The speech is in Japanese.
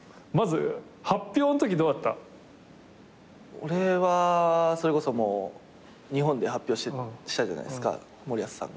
俺はそれこそもう日本で発表したじゃないですか森保さんが。